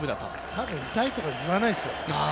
たぶん、痛いとか言わないですよ。